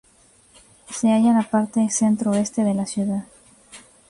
Se halla en la parte centro-oeste de la ciudad.